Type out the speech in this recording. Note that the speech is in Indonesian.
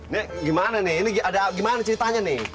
nek gimana nih ini ada gimana ceritanya nih